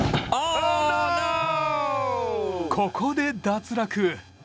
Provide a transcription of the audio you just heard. ここで脱落。